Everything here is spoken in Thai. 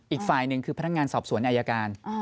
อีกฝ่ายหนึ่งคือพนักงานสอบสวนอายการ